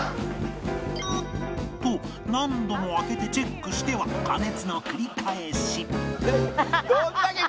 と何度も開けてチェックしては加熱の繰り返し